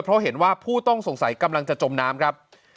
เพราะเห็นว่าผู้ต้องสงสัยกำลังจะจมน้ำครับ